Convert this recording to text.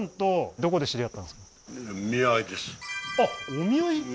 お見合い